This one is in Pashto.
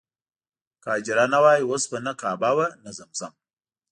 که حاجره نه وای اوس به نه کعبه وه نه زمزم.